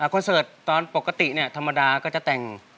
คอนเสิร์ตตอนปกติธรรมดาก็จะแต่ง